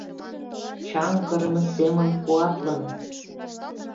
Чаҥ кырыме семын куатлын